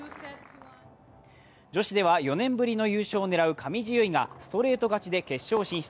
女子では４年ぶりの優勝を狙う上地結衣がストレート勝ちで決勝進出。